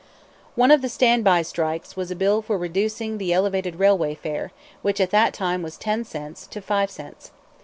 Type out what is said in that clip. One of the stand by "strikes" was a bill for reducing the elevated railway fare, which at that time was ten cents, to five cents.